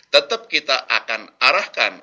tetap kita akan arahkan